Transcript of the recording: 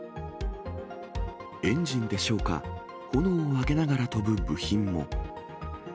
エンジンでしょうか、炎を上げながら飛ぶ部品も。